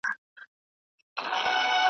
اوږدې لاري یې وهلي په ځنګلو کي .